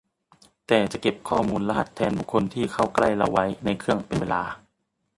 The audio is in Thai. แต่จะเก็บข้อมูลรหัสแทนบุคคลที่เข้าใกล้เราไว้ในเครื่องเป็นเวลา